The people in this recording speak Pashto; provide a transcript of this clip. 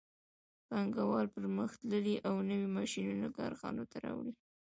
پانګوال پرمختللي او نوي ماشینونه کارخانو ته راوړي